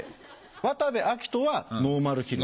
渡部暁斗はノーマルヒル。